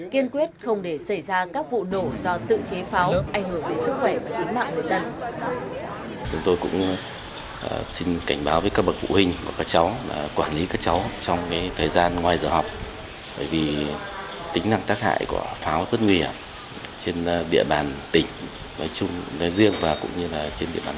kiên quyết không để xảy ra các vụ nổ do tự chế pháo ảnh hưởng đến sức khỏe và tính mạng người dân